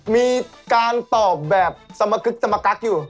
มีการตอบแบบสมกึกสมกั๊กอยู่